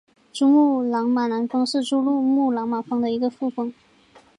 珠穆朗玛南峰是珠穆朗玛峰的一个副峰。